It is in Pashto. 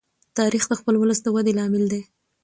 تاریخ د خپل ولس د ودې لامل دی.